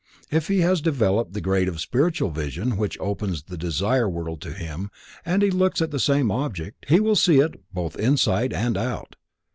If he has developed the grade of spiritual vision which opens the Desire World to him and he looks at the same object, he will see it both inside and out.